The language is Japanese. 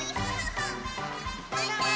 バイバーイ！